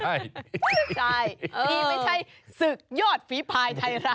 ใช่นี่ไม่ใช่ศึกยอดฝีภายไทยรัฐ